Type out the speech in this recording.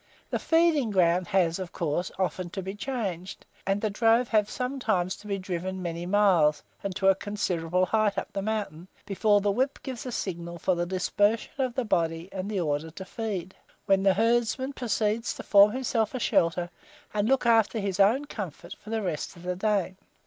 The feeding ground has, of course, often to be changed, and the drove have sometimes to be driven many miles, and to a considerable height up the mountain, before the whip gives the signal for the dispersion of the body and the order to feed, when the herdsman proceeds to form himself a shelter, and look after his own comfort for the rest of the day.